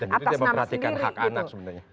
dan itu dia memperhatikan hak anak sebenarnya